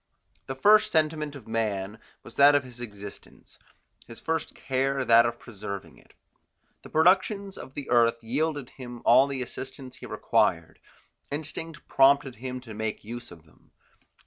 The first sentiment of man was that of his existence, his first care that of preserving it. The productions of the earth yielded him all the assistance he required; instinct prompted him to make use of them.